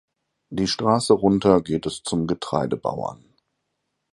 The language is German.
Die Straße runter geht es zum Getreidebauern.